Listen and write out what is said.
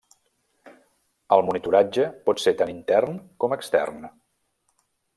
El monitoratge pot ser tant intern com extern.